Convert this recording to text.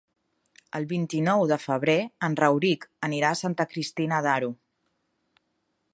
El vint-i-nou de febrer en Rauric anirà a Santa Cristina d'Aro.